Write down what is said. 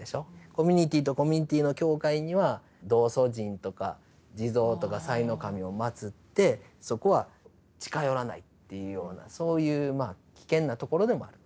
コミュニティーとコミュニティーの境界には道祖神とか地蔵とか塞の神をまつってそこは近寄らないっていうようなそういう危険なところでもある。